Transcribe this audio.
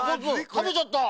たべちゃった！